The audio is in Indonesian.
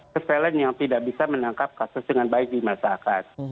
kesevelen yang tidak bisa menangkap kasus dengan baik dimasakkan